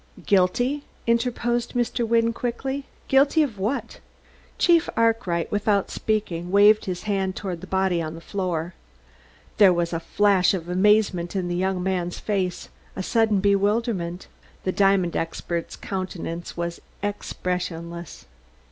"Guilty?" interposed Mr. Wynne quickly. "Guilty of what?" Chief Arkwright, without speaking, waved his hand toward the body on the floor. There was a flash of amazement in the young man's face, a sudden bewilderment; the diamond expert's countenance was expressionless.